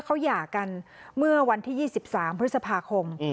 เขาหย่ากันเมื่อวันที่ยี่สิบสามพฤษภาคม